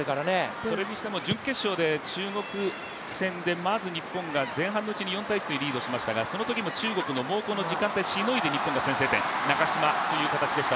それにしても準決勝で中国戦で、まず日本が前半のうちに４−１でリードしましたがそのときも中国の猛攻の時間をしのいで日本が先制点、中嶋という形でした。